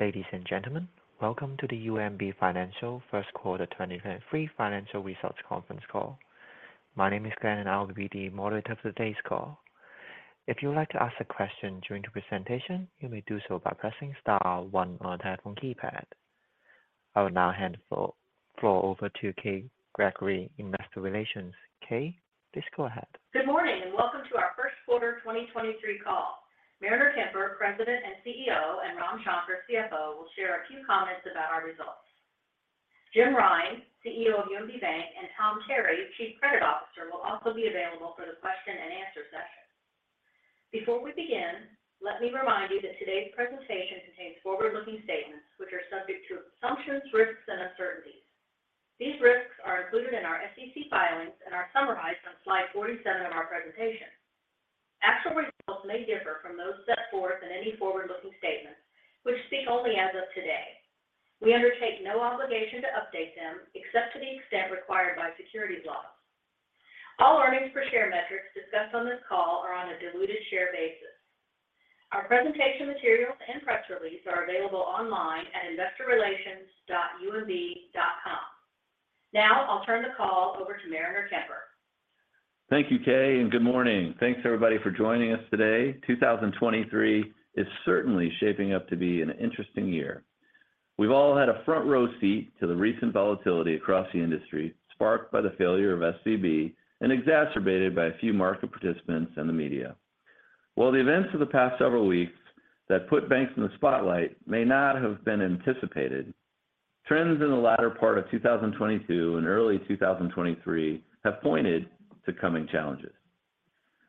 Ladies and gentlemen, welcome to the UMB Financial First Quarter 2023 Financial Results Conference Call. My name is Glenn. I'll be the moderator for today's call. If you would like to ask a question during the presentation, you may do so by pressing star one on your telephone keypad. I will now hand the floor over to Kay Gregory in Investor Relations. Kay, please go ahead. Good morning, welcome to our first quarter 2023 call. Mariner Kemper, President and CEO, and Ram Shankar, CFO, will share a few comments about our results. Jim Rine, CEO of UMB Bank, and Tom Terry, Chief Credit Officer, will also be available for the question and answer session. Before we begin, let me remind you that today's presentation contains forward-looking statements which are subject to assumptions, risks, and uncertainties. These risks are included in our SEC filings and are summarized on slide 47 of our presentation. Actual results may differ from those set forth in any forward-looking statements which speak only as of today. We undertake no obligation to update them except to the extent required by securities laws. All earnings per share metrics discussed on this call are on a diluted share basis. Our presentation materials and press release are available online at investorrelations.umb.com. Now I'll turn the call over to Mariner Kemper. Thank you, Kay, and good morning. Thanks everybody for joining us today. 2023 is certainly shaping up to be an interesting year. We've all had a front row seat to the recent volatility across the industry sparked by the failure of SVB and exacerbated by a few market participants and the media. While the events of the past several weeks that put banks in the spotlight may not have been anticipated, trends in the latter part of 2022 and early 2023 have pointed to coming challenges.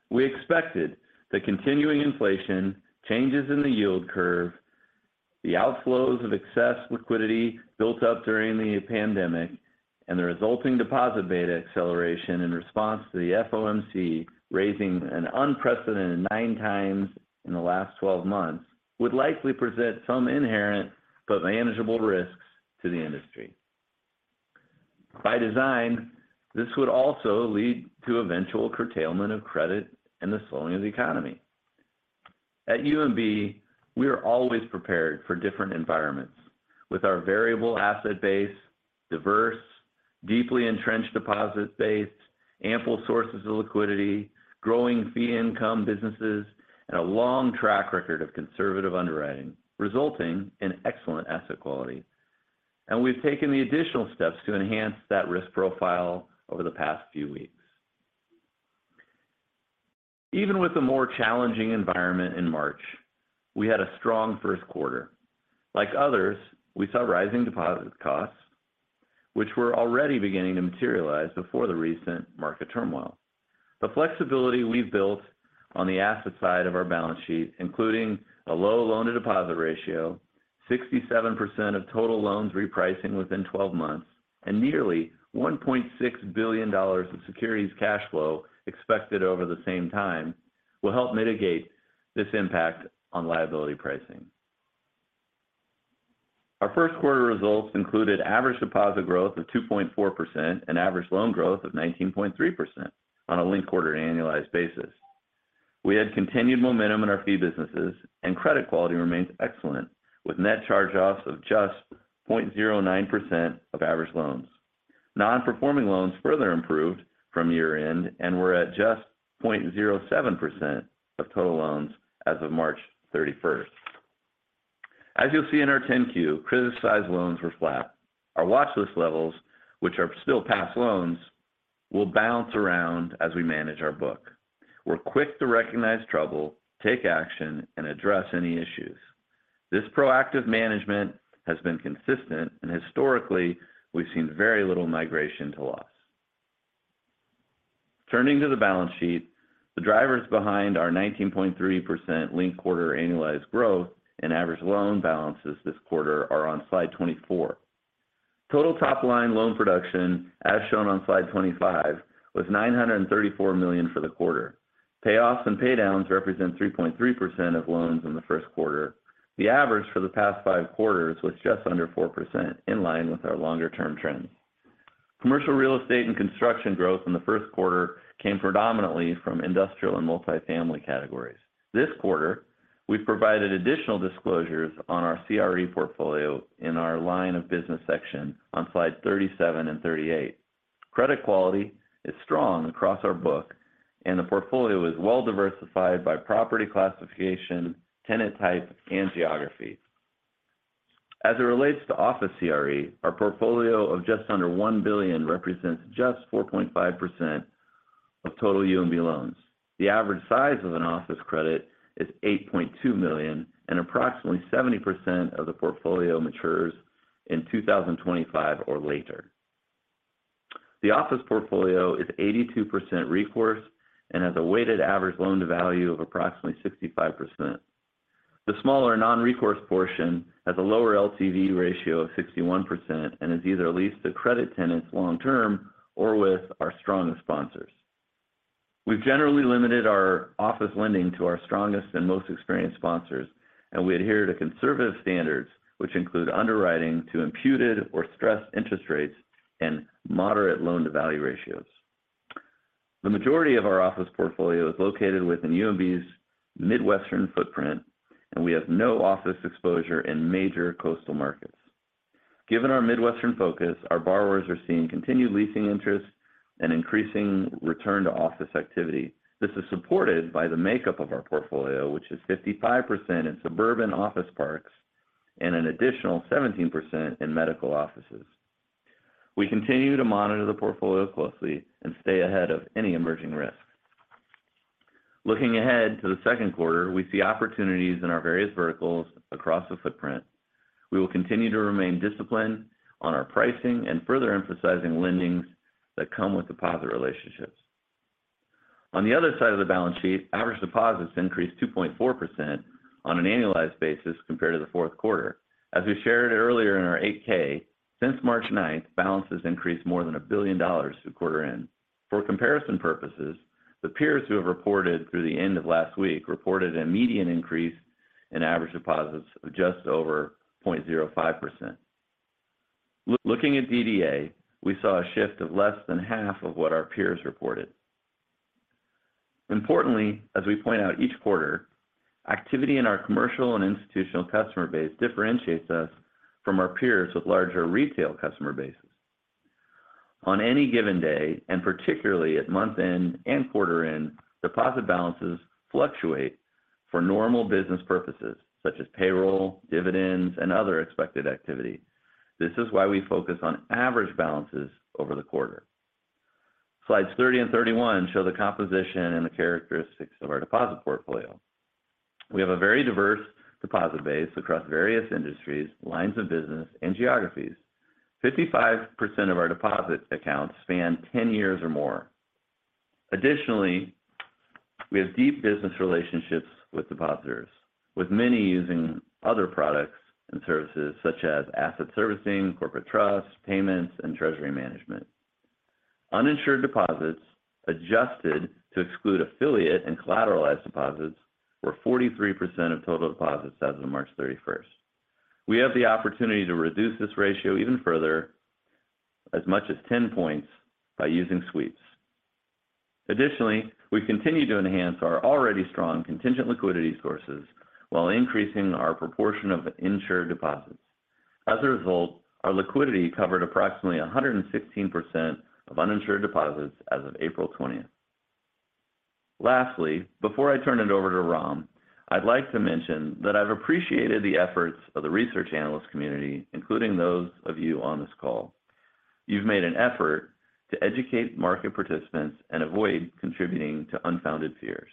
We expected that continuing inflation, changes in the yield curve, the outflows of excess liquidity built up during the pandemic, and the resulting deposit beta acceleration in response to the FOMC raising an unprecedented nine times in the last 12 months would likely present some inherent but manageable risks to the industry. By design, this would also lead to eventual curtailment of credit and the slowing of the economy. At UMB, we are always prepared for different environments with our variable asset base, diverse, deeply entrenched deposit base, ample sources of liquidity, growing fee income businesses, and a long track record of conservative underwriting resulting in excellent asset quality. We've taken the additional steps to enhance that risk profile over the past few weeks. Even with the more challenging environment in March, we had a strong first quarter. Like others, we saw rising deposit costs which were already beginning to materialize before the recent market turmoil. The flexibility we've built on the asset side of our balance sheet, including a low loan to deposit ratio, 67% of total loans repricing within 12 months, and nearly $1.6 billion of securities cash flow expected over the same time will help mitigate this impact on liability pricing. Our first quarter results included average deposit growth of 2.4% and average loan growth of 19.3% on a linked-quarter annualized basis. We had continued momentum in our fee businesses and credit quality remains excellent with net charge-offs of just 0.09% of average loans. Non-performing loans further improved from year-end and were at just 0.07% of total loans as of 31 March. As you'll see in our 10-Q, criticized loans were flat. Our watchlist levels, which are still past loans, will bounce around as we manage our book. We're quick to recognize trouble, take action, and address any issues. This proactive management has been consistent and historically we've seen very little migration to loss. Turning to the balance sheet, the drivers behind our 19.3% linked quarter annualized growth and average loan balances this quarter are on slide 24. Total top line loan production as shown on slide 25 was $934 million for the quarter. Payoffs and paydowns represent 3.3% of loans in the first quarter. The average for the past five quarters was just under 4% in line with our longer term trends. Commercial real estate and construction growth in the first quarter came predominantly from industrial and multifamily categories. This quarter, we've provided additional disclosures on our CRE portfolio in our line of business section on slide 37 and 38. Credit quality is strong across our book and the portfolio is well diversified by property classification, tenant type, and geography. As it relates to office CRE, our portfolio of just under $1 billion represents just 4.5% of total UMB loans. The average size of an office credit is $8.2 million and approximately 70% of the portfolio matures in 2025 or later. The office portfolio is 82% recourse and has a weighted average loan to value of approximately 65%. The smaller non-recourse portion has a lower LTV ratio of 61% and is either leased to credit tenants long term or with our strongest sponsors. We've generally limited our office lending to our strongest and most experienced sponsors. We adhere to conservative standards which include underwriting to imputed or stressed interest rates and moderate loan-to-value ratios. The majority of our office portfolio is located within UMB's Midwestern footprint. We have no office exposure in major coastal markets. Given our Midwestern focus, our borrowers are seeing continued leasing interest and increasing return to office activity. This is supported by the makeup of our portfolio, which is 55% in suburban office parks and an additional 17% in medical offices. We continue to monitor the portfolio closely and stay ahead of any emerging risks. Looking ahead to the second quarter, we see opportunities in our various verticals across the footprint. We will continue to remain disciplined on our pricing and further emphasizing lendings that come with deposit relationships. On the other side of the balance sheet, average deposits increased 2.4% on an annualized basis compared to the fourth quarter. As we shared earlier in our 8-K, since March 9th, balances increased more than $1 billion through quarter end. For comparison purposes, the peers who have reported through the end of last week reported a median increase in average deposits of just over 0.05%. Looking at DDA, we saw a shift of less than half of what our peers reported. Importantly, as we point out each quarter, activity in our commercial and institutional customer base differentiates us from our peers with larger retail customer bases. On any given day, and particularly at month-end and quarter-end, deposit balances fluctuate for normal business purposes, such as payroll, dividends, and other expected activity. This is why we focus on average balances over the quarter. Slides 30 and 31 show the composition and the characteristics of our deposit portfolio. We have a very diverse deposit base across various industries, lines of business, and geographies. 55% of our deposit accounts span 10 years or more. Additionally, we have deep business relationships with depositors, with many using other products and services such as asset servicing, corporate trust, payments, and treasury management. Uninsured deposits adjusted to exclude affiliate and collateralized deposits were 43% of total deposits as of March 31st. We have the opportunity to reduce this ratio even further as much as 10 points by using sweeps. Additionally, we continue to enhance our already strong contingent liquidity sources while increasing our proportion of insured deposits. As a result, our liquidity covered approximately 116% of uninsured deposits as of April 20th. Lastly, before I turn it over to Ram, I'd like to mention that I've appreciated the efforts of the research analyst community, including those of you on this call. You've made an effort to educate market participants and avoid contributing to unfounded fears.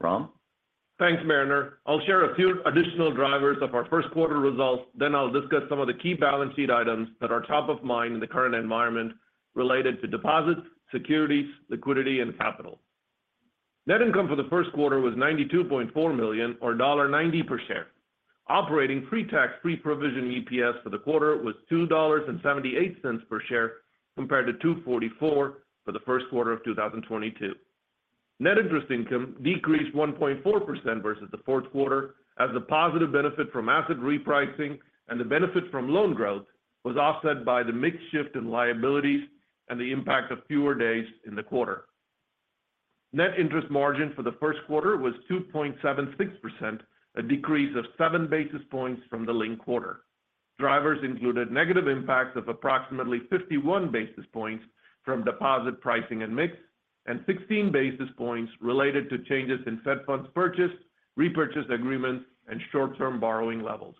Ram? Thanks, Mariner. I'll share a few additional drivers of our first quarter results, then I'll discuss some of the key balance sheet items that are top of mind in the current environment related to deposits, securities, liquidity, and capital. Net income for the first quarter was $92.4 million or $1.90 per share. Operating pre-tax, pre-provision EPS for the quarter was $2.78 per share compared to $2.44 for the first quarter of 2022. Net interest income decreased 1.4% versus the fourth quarter as a positive benefit from asset repricing and the benefit from loan growth was offset by the mix shift in liabilities and the impact of fewer days in the quarter. Net interest margin for the first quarter was 2.76%, a decrease of seven basis points from the linked quarter. Drivers included negative impacts of approximately 51 basis points from deposit pricing and mix, and 16 basis points related to changes in Fed Funds purchased, repurchase agreements, and short-term borrowing levels.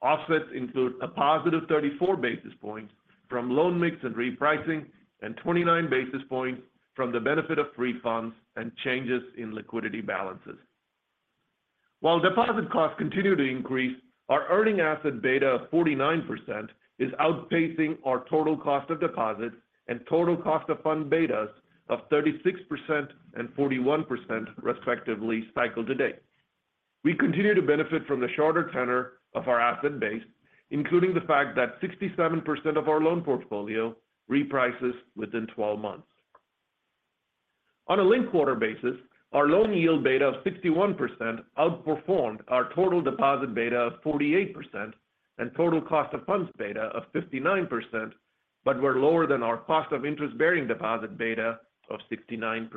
Offsets include a positive 34 basis points from loan mix and repricing, and 29 basis points from the benefit of free funds and changes in liquidity balances. While deposit costs continue to increase, our earning asset beta of 49% is outpacing our total cost of deposits and total cost of fund betas of 36% and 41%, respectively, cycle to date. We continue to benefit from the shorter tenor of our asset base, including the fact that 67% of our loan portfolio reprices within 12 months. On a linked quarter basis, our loan yield beta of 61% outperformed our total deposit beta of 48% and total cost of funds beta of 59%, but were lower than our cost of interest-bearing deposit beta of 69%.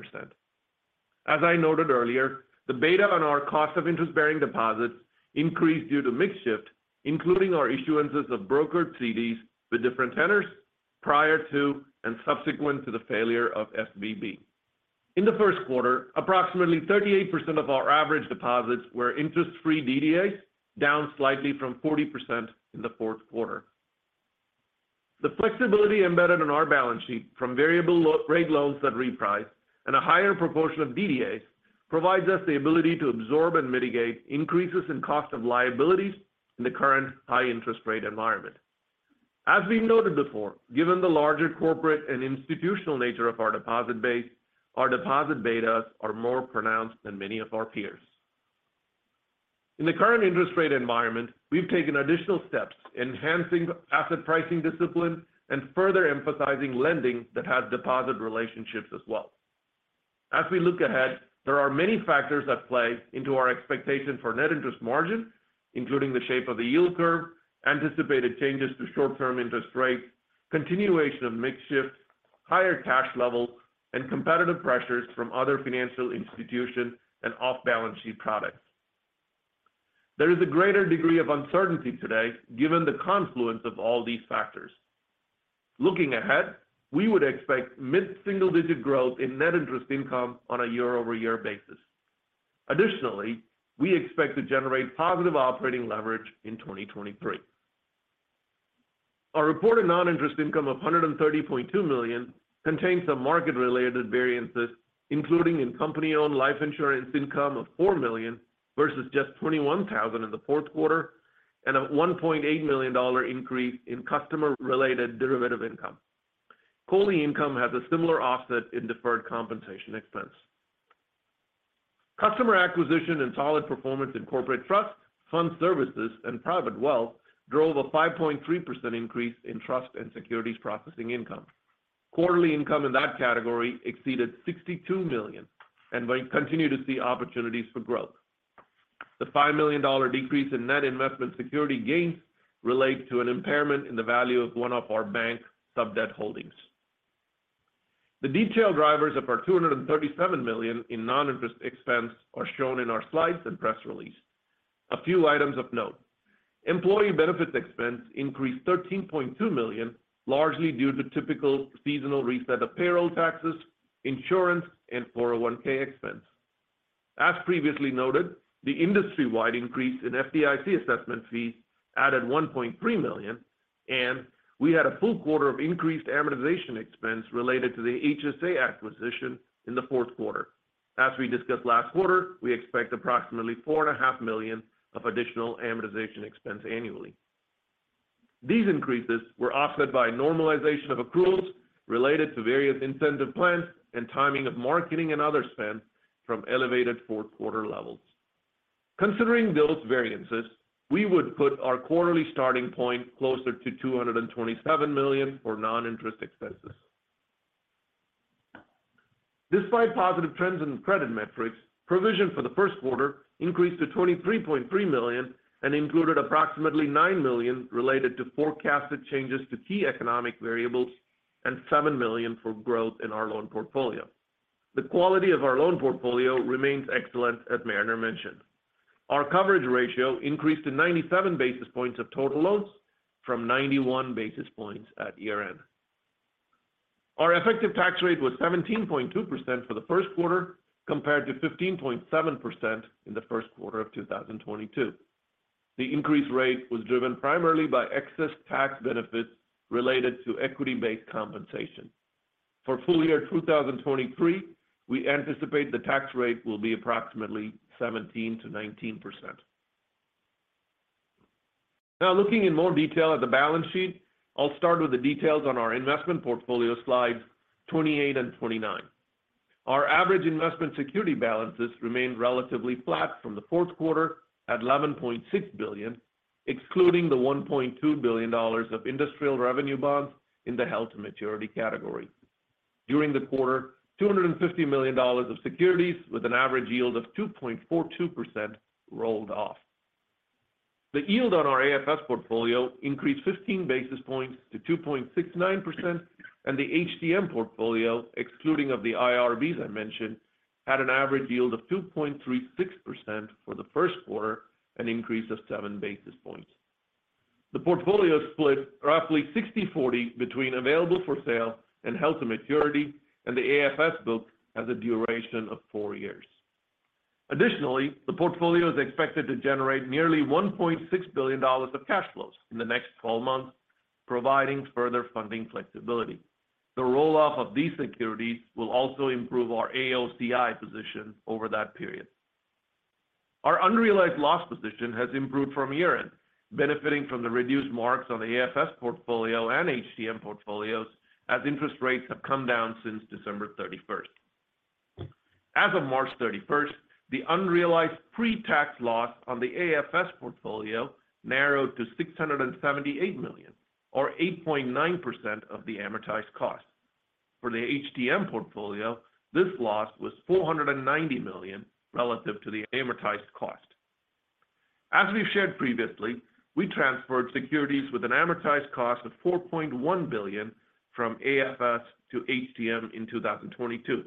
As I noted earlier, the beta on our cost of interest-bearing deposits increased due to mix shift, including our issuances of brokered CDs with different tenors prior to and subsequent to the failure of SVB. In the first quarter, approximately 38% of our average deposits were interest-free DDAs, down slightly from 40% in the fourth quarter. The flexibility embedded in our balance sheet from variable rate loans that reprice and a higher proportion of DDAs provides us the ability to absorb and mitigate increases in cost of liabilities in the current high interest rate environment. As we noted before, given the larger corporate and institutional nature of our deposit base, our deposit betas are more pronounced than many of our peers. In the current interest rate environment, we've taken additional steps enhancing asset pricing discipline and further emphasizing lending that has deposit relationships as well. As we look ahead, there are many factors at play into our expectation for net interest margin, including the shape of the yield curve, anticipated changes to short-term interest rates, continuation of mix shift, higher cash levels, and competitive pressures from other financial institutions and off-balance sheet products. There is a greater degree of uncertainty today given the confluence of all these factors. Looking ahead, we would expect mid-single-digit growth in net interest income on a year-over-year basis. Additionally, we expect to generate positive operating leverage in 2023. Our reported non-interest income of $130.2 million contains some market-related variances, including in company-owned life insurance income of $4 million versus just $21,000 in the fourth quarter and a $1.8 million increase in customer-related derivative income. COLI income has a similar offset in deferred compensation expense. Customer acquisition and solid performance in corporate trust, fund services, and private wealth drove a 5.3% increase in trust and securities processing income. Quarterly income in that category exceeded $62 million. We continue to see opportunities for growth. The $5 million decrease in net investment security gains relate to an impairment in the value of one of our bank's sub debt holdings. The detailed drivers of our $237 million in non-interest expense are shown in our slides and press release. A few items of note. Employee benefits expense increased $13.2 million, largely due to typical seasonal reset of payroll taxes, insurance, and 401 expense. As previously noted, the industry-wide increase in FDIC assessment fees added $1.3 million, and we had a full quarter of increased amortization expense related to the HSA acquisition in the fourth quarter. As we discussed last quarter, we expect approximately four and a half million of additional amortization expense annually. These increases were offset by normalization of accruals related to various incentive plans and timing of marketing and other spend from elevated fourth quarter levels. Considering those variances, we would put our quarterly starting point closer to $227 million for non-interest expenses. Despite positive trends in credit metrics, provision for the first quarter increased to $23.3 million and included approximately $9 million related to forecasted changes to key economic variables and $7 million for growth in our loan portfolio. The quality of our loan portfolio remains excellent, as Mariner mentioned. Our coverage ratio increased to 97 basis points of total loans from 91 basis points at year-end. Our effective tax rate was 17.2% for the first quarter compared to 15.7% in the first quarter of 2022. The increased rate was driven primarily by excess tax benefits related to equity-based compensation. For full year 2023, we anticipate the tax rate will be approximately 17%-19%. Looking in more detail at the balance sheet, I'll start with the details on our investment portfolio slides 28 and 29. Our average investment security balances remained relatively flat from the fourth quarter at $11.6 billion, excluding the $1.2 billion of Industrial Revenue Bonds in the held-to-maturity category. During the quarter, $250 million of securities with an average yield of 2.42% rolled off. The yield on our AFS portfolio increased 15 basis points to 2.69%, and the HTM portfolio, excluding of the IRBs I mentioned, had an average yield of 2.36% for the first quarter, an increase of 7 basis points. The portfolio split roughly 60/40 between available for sale and held-to-maturity, and the AFS book has a duration of four years. Additionally, the portfolio is expected to generate nearly $1.6 billion of cash flows in the next 12 months, providing further funding flexibility. The roll-off of these securities will also improve our AOCI position over that period. Our unrealized loss position has improved from year-end, benefiting from the reduced marks on the AFS portfolio and HTM portfolios as interest rates have come down since December 31st. As of March 31st, the unrealized pre-tax loss on the AFS portfolio narrowed to $678 million or 8.9% of the amortized cost. For the HTM portfolio, this loss was $490 million relative to the amortized cost. As we've shared previously, we transferred securities with an amortized cost of $4.1 billion from AFS to HTM in 2022.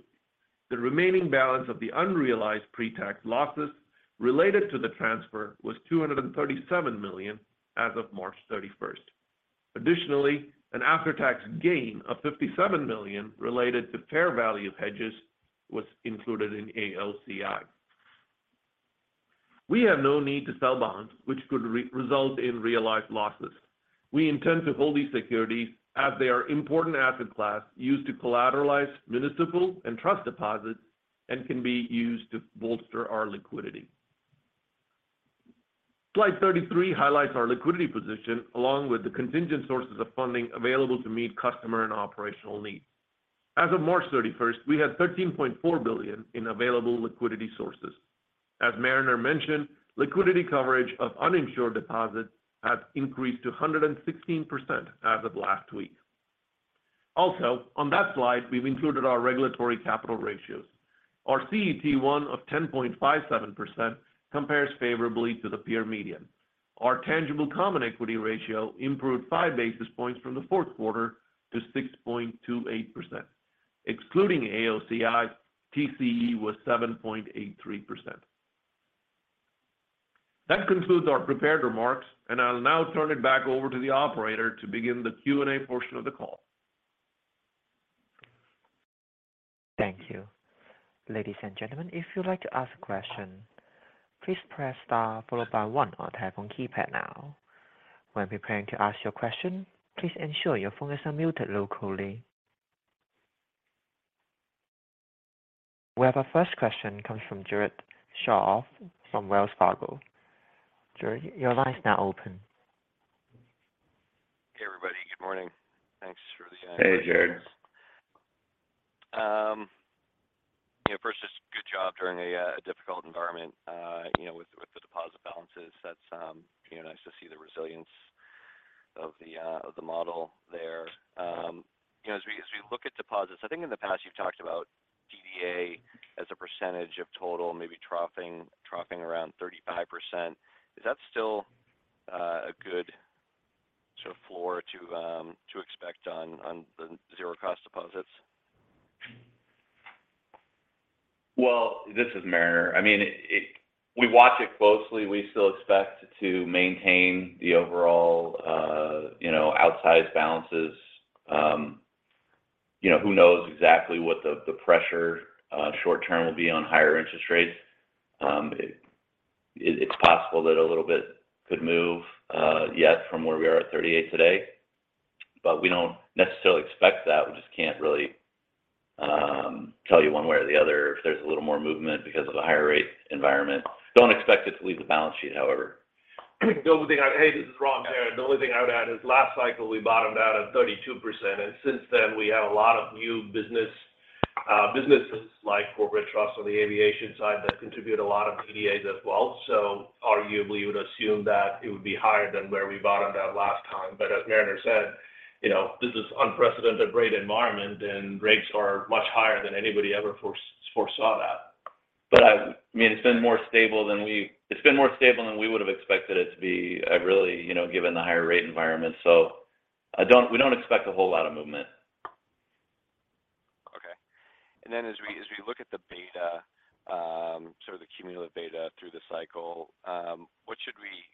The remaining balance of the unrealized pre-tax losses related to the transfer was $237 million as of March 31st. Additionally, an after-tax gain of $57 million related to fair value hedges was included in AOCI. We have no need to sell bonds which could re-result in realized losses. We intend to hold these securities as they are important asset class used to collateralize municipal and trust deposits and can be used to bolster our liquidity. Slide 33 highlights our liquidity position along with the contingent sources of funding available to meet customer and operational needs. As of March 31st, we had $13.4 billion in available liquidity sources. As Mariner mentioned, liquidity coverage of uninsured deposits has increased to 116% as of last week. On that slide, we've included our regulatory capital ratios. Our CET1 of 10.57% compares favorably to the peer median. Our tangible common equity ratio improved 5 basis points from the fourth quarter to 6.28%. Excluding AOCI, TCE was 7.83%. That concludes our prepared remarks, and I'll now turn it back over to the operator to begin the Q&A portion of the call. Thank you. Ladies and gentlemen, if you'd like to ask a question, please press star followed by one on type on keypad now. When preparing to ask your question, please ensure your phone is unmuted locally. We have a first question comes from Jared Shaw from Wells Fargo. Jared, your line is now open. Hey, everybody. Good morning. Thanks for. Hey, Jared. You know, first, just good job during a difficult environment, you know, with the deposit balances. That's, you know, nice to see the resilience of the model there. You know, as we look at deposits, I think in the past you've talked about DDA as a percentage of total, maybe troughing around 35%. Is that still a good sort of floor to expect on the zero cost deposits? Well, this is Mariner. I mean, we watch it closely. We still expect to maintain the overall, you know, outsized balances. You know, who knows exactly what the pressure short term will be on higher interest rates. It's possible that a little bit could move yet from where we are at 38 today. We don't necessarily expect that. We just can't really tell you one way or the other if there's a little more movement because of the higher rate environment. Don't expect it to leave the balance sheet, however. Hey, this is Ram Shankar. The only thing I would add is last cycle, we bottomed out at 32%, and since then, we have a lot of new business, businesses like corporate trust on the aviation side that contribute a lot of DDAs as well. Arguably, you would assume that it would be higher than where we bottomed out last time. As Mariner said, you know, this is unprecedented rate environment, and rates are much higher than anybody ever foresaw that. I mean, it's been more stable than we would have expected it to be, really, you know, given the higher rate environment. We don't expect a whole lot of movement. Okay. Then as we look at the beta, sort of the cumulative beta through the cycle, what should we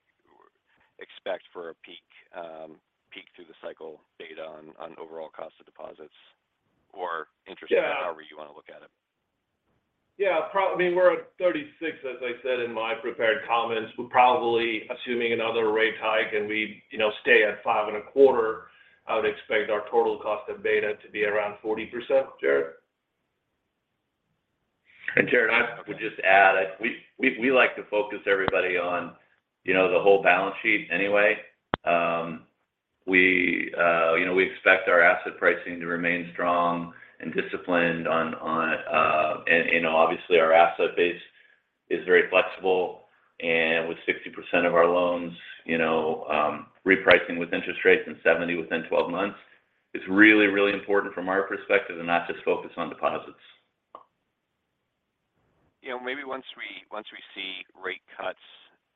expect for a peak through the cycle beta on overall cost of deposits or interest rate- Yeah however you want to look at it? Yeah. I mean, we're at 36, as I said in my prepared comments. We're probably assuming another rate hike, we, you know, stay at five and a quarter. I would expect our total cost of beta to be around 40%, Jared. Jared, I would just add, we like to focus everybody on, you know, the whole balance sheet anyway. We, you know, we expect our asset pricing to remain strong and disciplined on and, you know, obviously our asset base is very flexible. With 60% of our loans, you know, repricing with interest rates and 70 within 12 months, it's really important from our perspective and not just focus on deposits. You know, maybe once we see rate cuts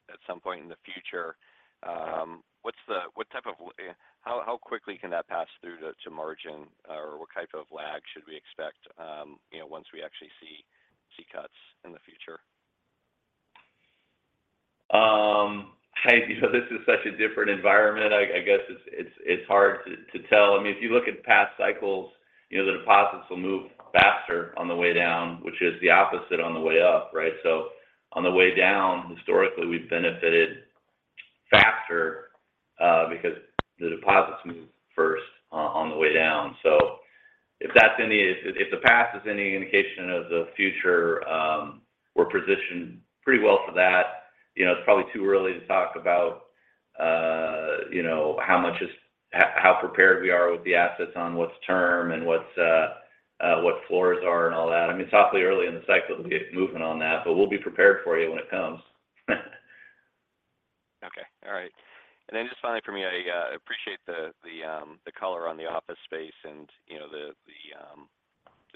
at some point in the future, how quickly can that pass through to margin? What type of lag should we expect, you know, once we actually see cuts in the future? You know, this is such a different environment. I guess it's hard to tell. I mean, if you look at past cycles, you know, the deposits will move faster on the way down, which is the opposite on the way up, right? On the way down, historically, we've benefited faster because the deposits move first on the way down. If the past is any indication of the future, we're positioned pretty well for that. You know, it's probably too early to talk about, you know, how prepared we are with the assets on what's term and what floors are and all that. I mean, it's awfully early in the cycle to get movement on that, but we'll be prepared for you when it comes. Okay. All right. Then just finally for me, I appreciate the color on the office space and, you know, the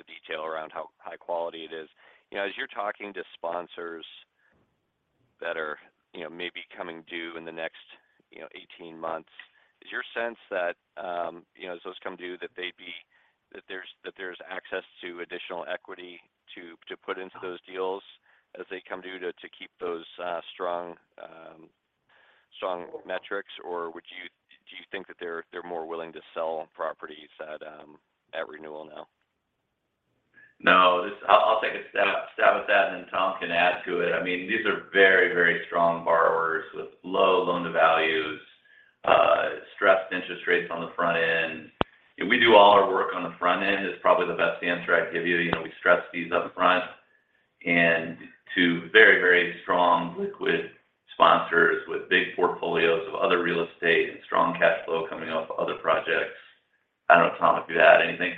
detail around how high quality it is. You know, as you're talking to sponsors that are, you know, maybe coming due in the next, you know, 18 months, is your sense that, you know, as those come due, that there's access to additional equity to put into those deals as they come due to keep those strong metrics? Do you think that they're more willing to sell properties at renewal now? No. I'll take a stab at that then Tom can add to it. I mean, these are very, very strong borrowers with low loan to values, stressed interest rates on the front end. We do all our work on the front end is probably the best answer I'd give you. You know, we stress these up front. To very, very strong liquid sponsors with big portfolios of other real estate and strong cash flow coming off other projects. I don't know, Tom, if you had anything.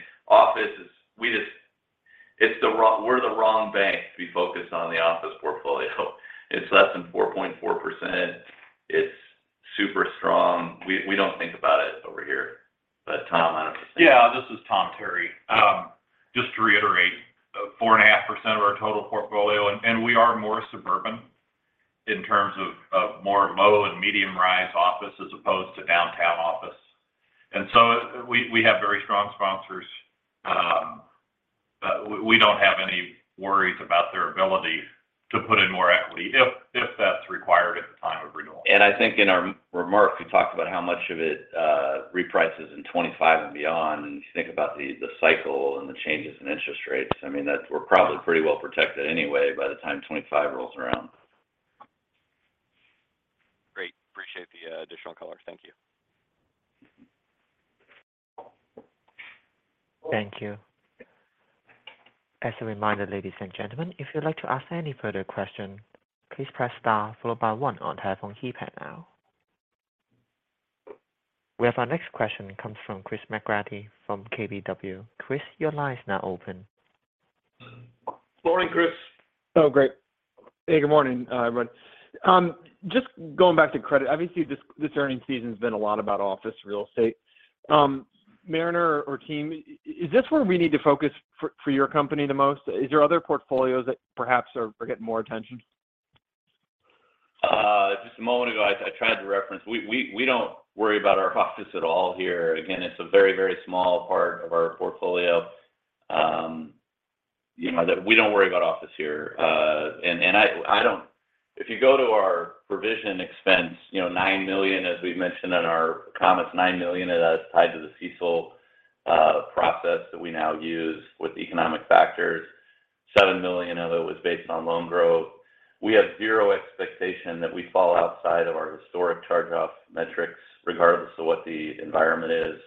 We're the wrong bank to be focused on the office portfolio. It's less than 4.4%. It's super strong. We don't think about it over here. Tom, I don't know if you. Yeah. This is Tom Terry. Yeah. Just to reiterate, 4.5% of our total portfolio, and we are more suburban in terms of more low and medium-rise office as opposed to downtown office. We have very strong sponsors. We don't have any worries about their ability to put in more equity if that's required at the time of renewal. I think in our remarks, we talked about how much of it reprices in 25 and beyond. If you think about the cycle and the changes in interest rates, I mean, we're probably pretty well protected anyway by the time 25 rolls around. Great. Appreciate the additional color. Thank you. Thank you. As a reminder, ladies and gentlemen, if you'd like to ask any further question, please press star followed by one on telephone keypad now. We have our next question comes from Chris McGratty from KBW. Chris, your line is now open. Morning, Chris. Oh, great. Hey, good morning, everyone. Just going back to credit, obviously this earnings season's been a lot about office real estate. Mariner or team, is this where we need to focus for your company the most? Is there other portfolios that perhaps are getting more attention? Just a moment ago, I tried to reference. We don't worry about our office at all here. Again, it's a very, very small part of our portfolio. You know, that we don't worry about office here. If you go to our provision expense, you know, $9 million, as we've mentioned in our comments, $9 million of that is tied to the CECL process that we now use with economic factors. $7 million of it was based on loan growth. We have zero expectation that we fall outside of our historic charge-off metrics regardless of what the environment is.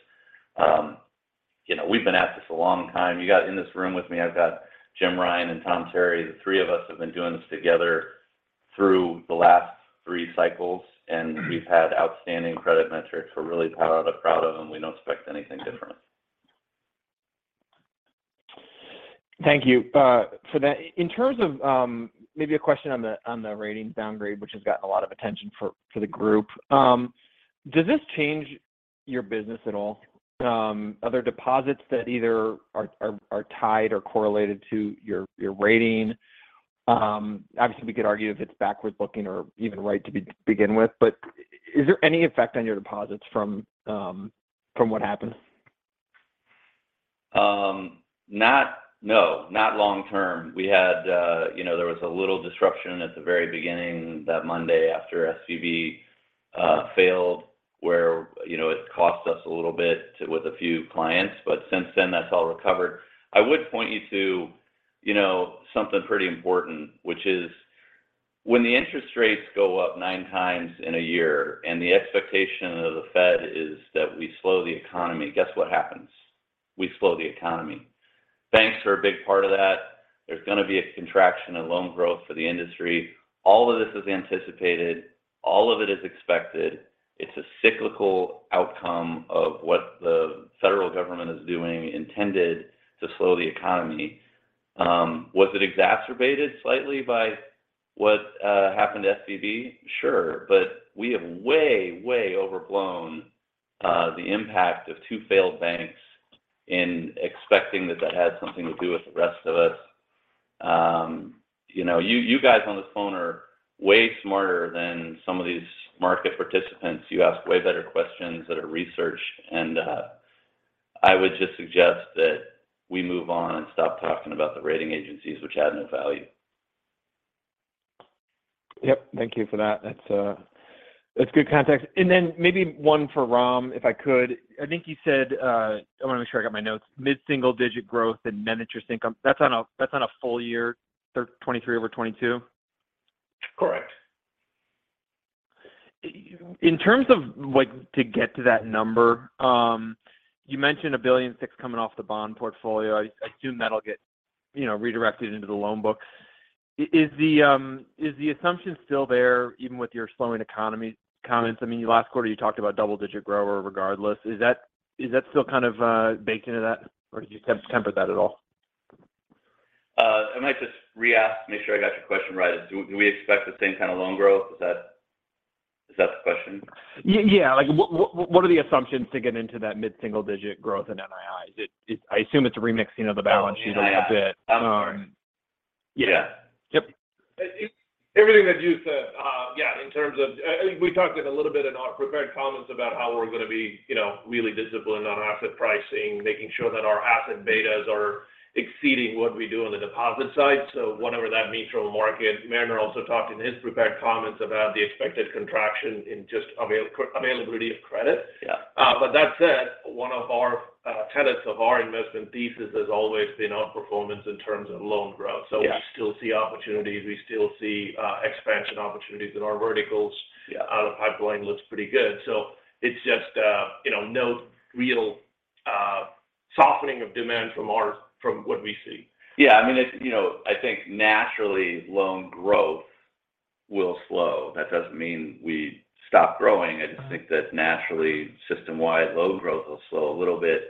You know, we've been at this a long time. You got in this room with me, I've got Jim Rine and Tom Terry. The three of us have been doing this together through the last three cycles, and we've had outstanding credit metrics we're really proud of, and we don't expect anything different. Thank you. In terms of, maybe a question on the ratings downgrade, which has gotten a lot of attention for the group. Does this change your business at all? Other deposits that either are tied or correlated to your rating. Obviously, we could argue if it's backward-looking or even right to begin with, but is there any effect on your deposits from what happened? Not long term. We had, you know, there was a little disruption at the very beginning that Monday after SVB failed, where, you know, it cost us a little bit with a few clients, but since then, that's all recovered. I would point you to, you know, something pretty important, which is when the interest rates go up nine times in a year and the expectation of the Fed is that we slow the economy, guess what happens? We slow the economy. Banks are a big part of that. There's gonna be a contraction of loan growth for the industry. All of this is anticipated. All of it is expected. It's a cyclical outcome of what the federal government is doing, intended to slow the economy. Was it exacerbated slightly by what happened to SVB? Sure. We have way overblown the impact of two failed banks in expecting that that had something to do with the rest of us. You know, you guys on the phone are way smarter than some of these market participants. You ask way better questions that are researched. I would just suggest that we move on and stop talking about the rating agencies which add no value. Yep. Thank you for that. That's, that's good context. Maybe one for Ram, if I could. I think you said, I wanna make sure I got my notes, mid-single digit growth and net interest income. That's on a, that's on a full year, 23 over 22? Correct. In terms of to get to that number, you mentioned $1.6 billion coming off the bond portfolio. I assume that'll get, you know, redirected into the loan book. Is the assumption still there even with your slowing economy comments? I mean, last quarter you talked about double-digit grower regardless. Is that still kind of baked into that, or did you temper that at all? I might just re-ask, make sure I got your question right. Do we expect the same kind of loan growth? Is that the question? Yeah. Like what are the assumptions to get into that mid-single digit growth in NII? I assume it's a remixing of the balance sheet a little bit. Oh, NII. I'm sorry. Yeah. Yep. Everything that you said, yeah, we talked a little bit in our prepared comments about how we're gonna be, you know, really disciplined on asset pricing, making sure that our asset betas are exceeding what we do on the deposit side. Whatever that means for the market. Mariner also talked in his prepared comments about the expected contraction in just availability of credit. Yeah. That said, one of our tenets of our investment thesis has always been outperformance in terms of loan growth. Yeah. We still see opportunities. We still see, expansion opportunities in our verticals. Yeah. Our pipeline looks pretty good. It's just, you know, no real softening of demand from what we see. Yeah. I mean, it's, you know, I think naturally loan growth will slow. That doesn't mean we stop growing. I just think that naturally system-wide loan growth will slow a little bit.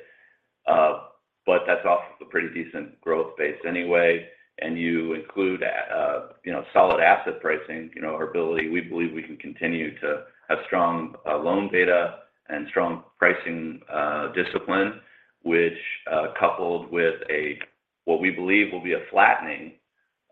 But that's off of a pretty decent growth base anyway. You include at, you know, solid asset pricing, you know, our ability, we believe we can continue to have strong loan beta and strong pricing discipline, which coupled with what we believe will be a flattening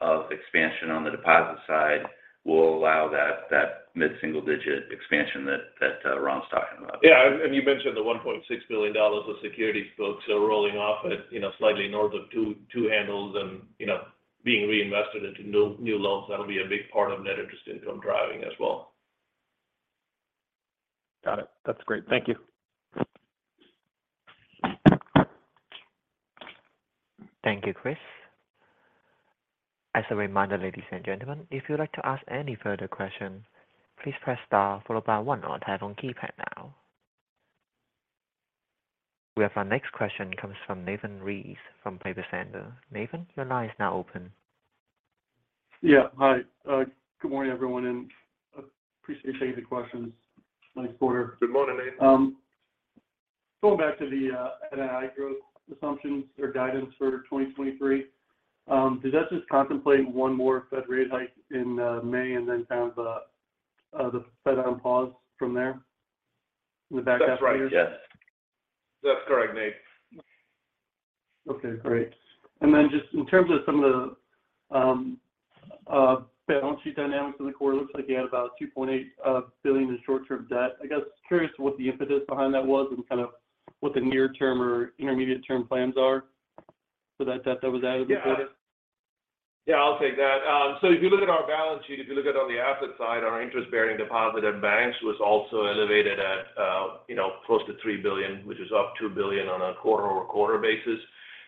of expansion on the deposit side will allow that mid-single digit expansion that Ram's talking about. Yeah. You mentioned the $1.6 billion of securities books are rolling off at, you know, slightly north of two handles and, you know, being reinvested into new loans. That'll be a big part of net interest income driving as well. Got it. That's great. Thank you. Thank you, Chris. As a reminder, ladies and gentlemen, if you'd like to ask any further questions, please press star followed by one on your telephone keypad now. We have our next question comes from Nathan Race from Piper Sandler. Nathan, your line is now open. Yeah. Hi. Good morning, everyone, and appreciate taking the questions. Nice quarter. Good morning, Nathan. Going back to the NII growth assumptions or guidance for 2023, does that just contemplate one more Fed rate hike in May and then kind of the Fed on pause from there with that calculus? That's right. Yes. That's correct, Nate. Okay, great. Just in terms of some of the balance sheet dynamics in the quarter, looks like you had about $2.8 billion in short-term debt. I guess curious what the impetus behind that was and kind of what the near term or intermediate term plans are for that debt that was added before then. Yeah. Yeah, I'll take that. If you look at our balance sheet, if you look at on the asset side, our interest-bearing deposit at banks was also elevated at, you know, close to $3 billion, which is up $2 billion on a quarter-over-quarter basis.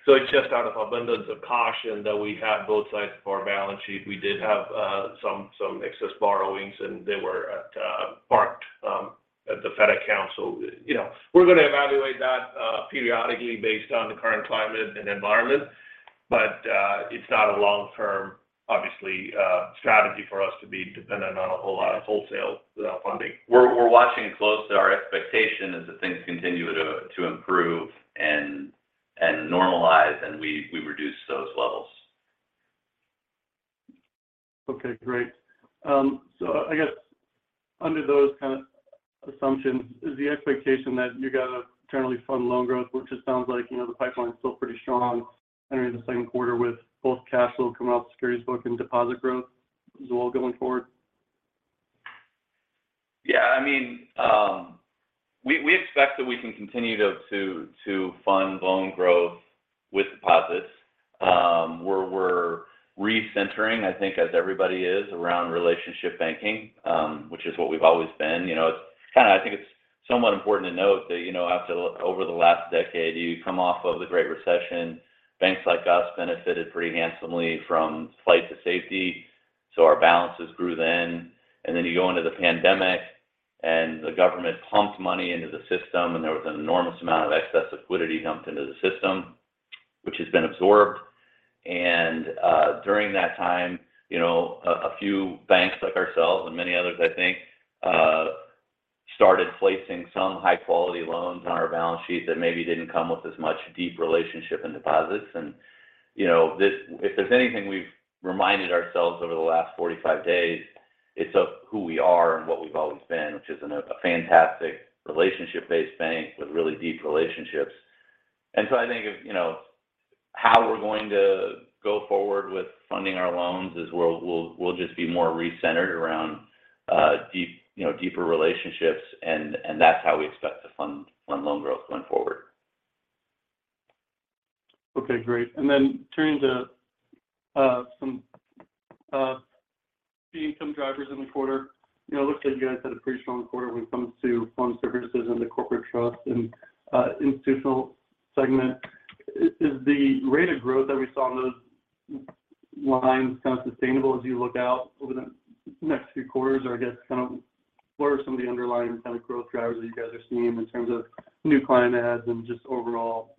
It's just out of abundance of caution that we have both sides of our balance sheet. We did have some excess borrowings, and they were parked at the Fed account. You know, we're gonna evaluate that periodically based on the current climate and environment. It's not a long term, obviously, strategy for us to be dependent on a whole lot of wholesale without funding. We're watching it close. Our expectation is that things continue to improve and normalize, and we reduce those levels. Okay, great. I guess under those kind of assumptions is the expectation that you're gonna internally fund loan growth, which it sounds like, you know, the pipeline's still pretty strong entering the second quarter with both cash flow coming off the securities book and deposit growth as well going forward. I mean, we expect that we can continue to fund loan growth with deposits. We're recentering, I think, as everybody is around relationship banking, which is what we've always been. You know, it's kind of I think it's somewhat important to note that, you know, after over the last decade, you come off of the Great Recession, banks like us benefited pretty handsomely from flight to safety. Our balances grew then. Then you go into the pandemic, the government pumped money into the system, there was an enormous amount of excess liquidity dumped into the system, which has been absorbed. During that time, you know, a few banks like ourselves and many others, I think, started placing some high-quality loans on our balance sheet that maybe didn't come with as much deep relationship and deposits. You know, if there's anything we've reminded ourselves over the last 45 days, it's of who we are and what we've always been, which is a fantastic relationship-based bank with really deep relationships. So I think if, you know, how we're going to go forward with funding our loans is we'll just be more recentered around deeper relationships and that's how we expect to fund loan growth going forward. Okay, great. Turning to, some, the income drivers in the quarter. You know, it looks like you guys had a pretty strong quarter when it comes to fund services in the corporate trust and, institutional segment. Is the rate of growth that we saw in those lines kind of sustainable as you look out over the next few quarters? Or I guess, kind of what are some of the underlying kind of growth drivers that you guys are seeing in terms of new client adds and just overall,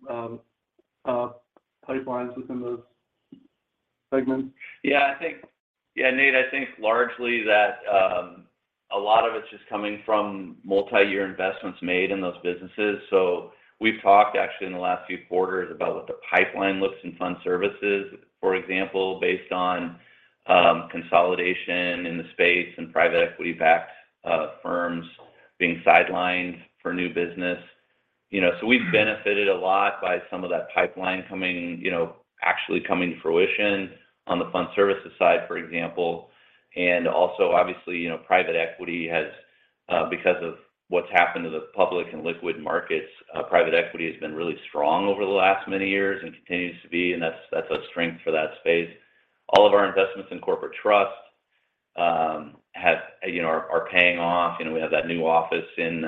pipelines within those segments? Yeah, Nate, I think largely that a lot of it's just coming from multi-year investments made in those businesses. We've talked actually in the last few quarters about what the pipeline looks in fund services, for example, based on consolidation in the space and private equity-backed firms being sidelined for new business. You know, we've benefited a lot by some of that pipeline coming, you know, actually coming to fruition on the fund services side, for example. Also obviously, you know, private equity has because of what's happened to the public and liquid markets, private equity has been really strong over the last many years and continues to be, and that's a strength for that space. All of our investments in corporate trust have, you know, are paying off. You know, we have that new office in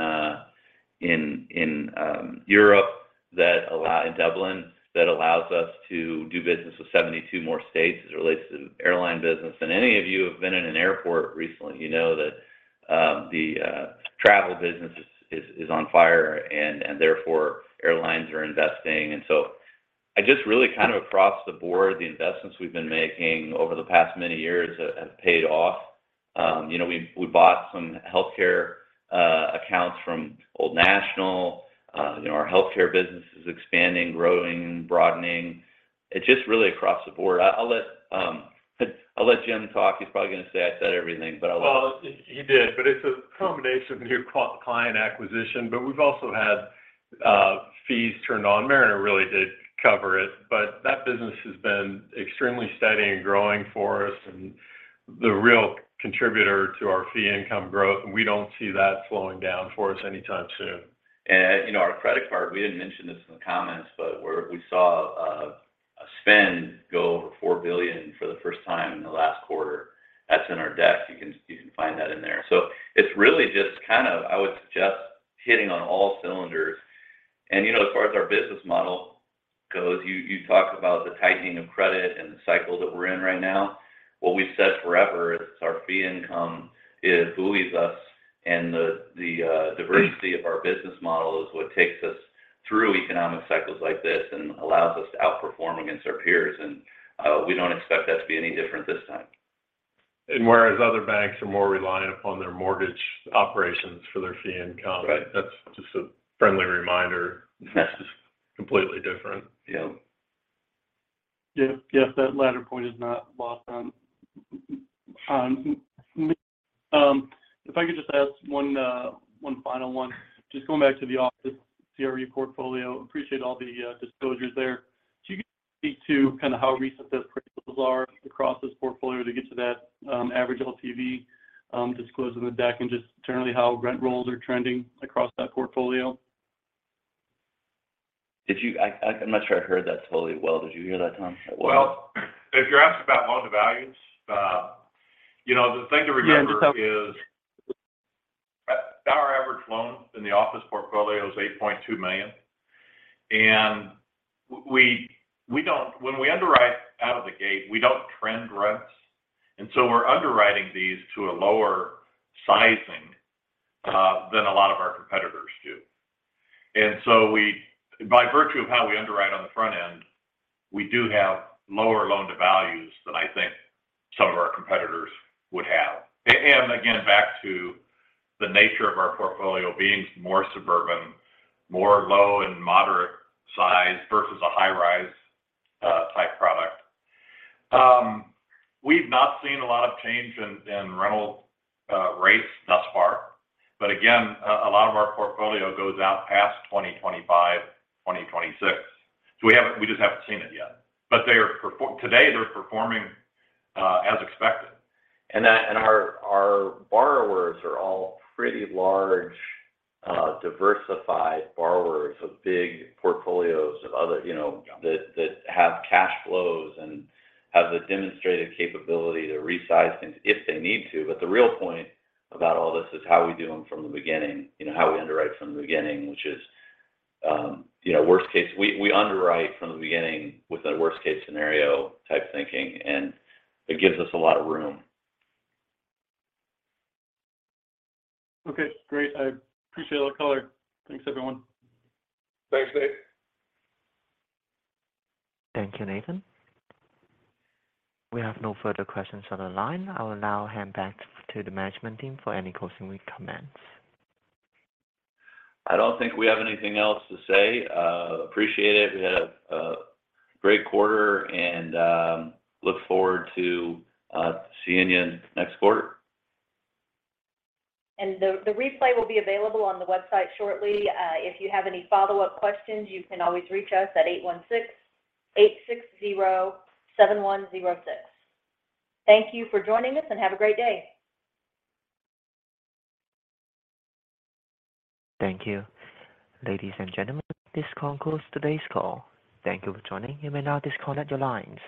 Europe that allows us to do business with 72 more states as it relates to airline business. Any of you who have been in an airport recently, you know that the travel business is on fire and therefore airlines are investing. I just really kind of across the board, the investments we've been making over the past many years have paid off. You know, we bought some healthcare accounts from Old National. You know, our healthcare business is expanding, growing, broadening. It's just really across the board. I'll let Jim talk. He's probably gonna say I said everything, but I'll let- Well, he did, but it's a combination of new client acquisition. We've also had fees turned on. Mariner really did cover it. That business has been extremely steady and growing for us and the real contributor to our fee income growth. We don't see that slowing down for us anytime soon. You know, our credit card, we didn't mention this in the comments, but we saw a spend go over $4 billion for the first time in the last quarter. That's in our deck. You can find that in there. It's really just kind of, I would suggest, hitting on all cylinders. You know, as far as our business model goes, you talk about the tightening of credit and the cycle that we're in right now. What we've said forever is our fee income, it buoys us, and the diversity of our business model is what takes us through economic cycles like this and allows us to outperform against our peers. We don't expect that to be any different this time. Whereas other banks are more reliant upon their mortgage operations for their fee income. Right. That's just a friendly reminder. This is completely different. Yeah. Yeah. Yes, that latter point is not lost on me. If I could just ask one final one. Just going back to the office CRE portfolio. Appreciate all the disclosures there. Do you speak to kind of how recent those principles are across this portfolio to get to that average LTV disclosed in the deck and just generally how rent rolls are trending across that portfolio? I'm not sure I heard that totally well. Did you hear that, Tom? Well, if you're asking about loan to values, you know, the thing to remember is. Yeah. Our average loan in the office portfolio is $8.2 million. We don't when we underwrite out of the gate, we don't trend rents. We're underwriting these to a lower sizing than a lot of our competitors do. We, by virtue of how we underwrite on the front end, we do have lower loan to values than I think some of our competitors would have. Again, back to the nature of our portfolio being more suburban, more low and moderate size versus a high-rise type product. We've not seen a lot of change in rental rates thus far, but again, a lot of our portfolio goes out past 2025, 2026. We haven't, we just haven't seen it yet. Today, they're performing as expected. Our borrowers are all pretty large, diversified borrowers with big portfolios of other, you know. Yeah. That have cash flows and have the demonstrated capability to resize things if they need to. The real point about all this is how we do them from the beginning. You know, how we underwrite from the beginning, which is, you know, worst case. We underwrite from the beginning with a worst case scenario type thinking, and it gives us a lot of room. Okay, great. I appreciate all the color. Thanks, everyone. Thanks, Nate. Thank you, Nathan. We have no further questions on the line. I will now hand back to the management team for any closing comments. I don't think we have anything else to say. Appreciate it. We had a great quarter and look forward to seeing you next quarter. The replay will be available on the website shortly. If you have any follow-up questions, you can always reach us at 816-860-7106. Thank you for joining us, and have a great day. Thank you. Ladies and gentlemen, this concludes today's call. Thank you for joining. You may now disconnect your lines.